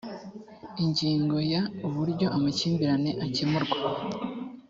ingingo ya uburyo amakimbirane akemurwa